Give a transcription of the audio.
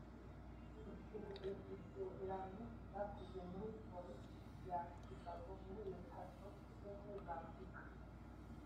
Icyegeranyo cyakozwe kuri polisi ya Chicago muri Leta Zunze Ubumwe za Amerika